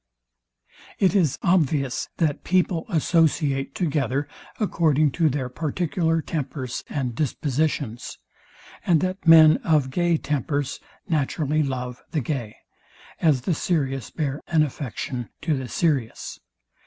It is obvious, that people associate together according to their particular tempers and dispositions, and that men of gay tempers naturally love the gay; as the serious bear an affection to the serious.